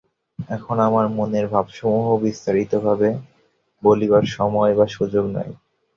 এখন আমার মনের ভাবসমূহ বিস্তারিতবাবে বলিবার সময় বা সুযোগ নাই।